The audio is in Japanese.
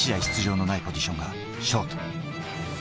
出場のないポジションがショート。